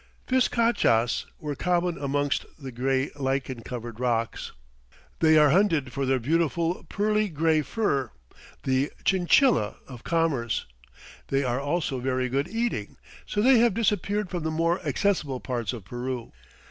Viscachas were common amongst the gray lichen covered rocks. They are hunted for their beautiful pearly gray fur, the "chinchilla" of commerce; they are also very good eating, so they have disappeared from the more accessible parts of Peru.